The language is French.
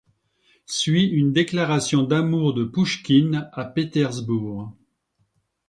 Suit une déclaration d'amour de Pouchkine à Pétersbourg.